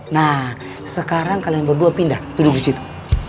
nah sekarang kalian berdua pindah duduk disitu